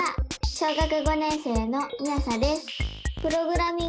小学５年生のみあさです。